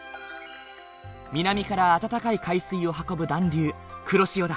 南から温かい海水を運ぶ暖流黒潮だ。